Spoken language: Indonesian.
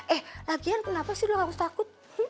eh lagian kenapa sih lo harus takut